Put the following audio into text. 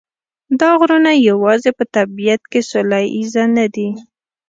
دا غرونه یوازې په طبیعت کې سوله ییز نه دي.